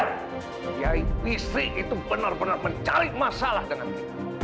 kiai istri itu benar benar mencari masalah dengan kita